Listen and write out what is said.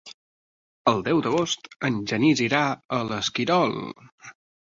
El deu d'agost en Genís irà a l'Esquirol.